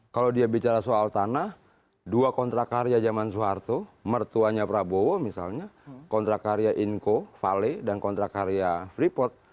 kalau dia bicara soal tanah dua kontrak karya zaman soeharto mertuanya prabowo misalnya kontrak karya inko vale dan kontrak karya freeport